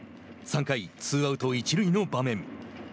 ３回、ツーアウト一塁の場面。